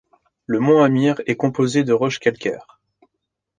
Le mont Amir est composée de roches calcaires.